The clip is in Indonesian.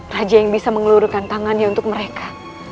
raja yang bisa mengelurkan tangannya untuk mereka